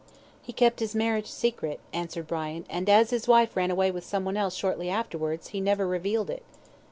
"He kept his marriage secret," answered Brian, "and as his wife ran away with someone else shortly afterwards, he never revealed it."